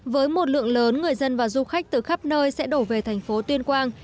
với một lượng lớn người dân và du khách từ khắp nơi sẽ đổ về thành phố tuyên quang